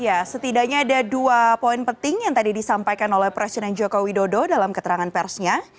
ya setidaknya ada dua poin penting yang tadi disampaikan oleh presiden joko widodo dalam keterangan persnya